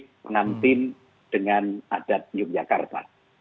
menantim dengan adat yogyakarta